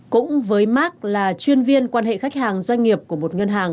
cũng với mark là chuyên viên quan hệ khách hàng doanh nghiệp của một ngân hàng